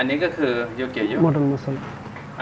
อันนี้ละฮะ